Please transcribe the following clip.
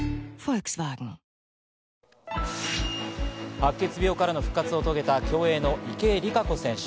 白血病からの復活を遂げた競泳の池江璃花子選手。